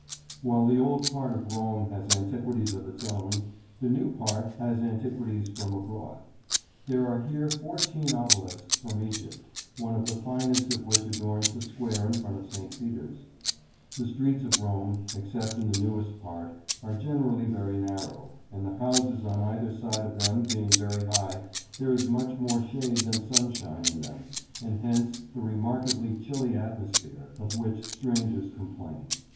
While the old part of Rome has antiquities of its own, the new part has antiquities from abroad. There are here fourteen obelisks from Egypt, one of the finest of which adorns the square in front of St. Peter's. The streets of Rome, except in the newest part, are generally very narrow, and the houses on either side of them being very high, there is much more shade than sunshine in them, and hence the remarkably chilly atmosphere of which strangers complain.